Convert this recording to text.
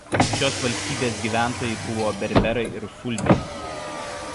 Šios valstybės gyventojai buvo berberai ir fulbiai.